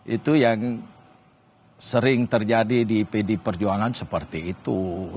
itu yang sering terjadi di pdi perjuangan seperti itu